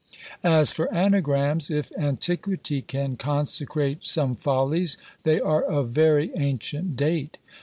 As for ANAGRAMS, if antiquity can consecrate some follies, they are of very ancient date.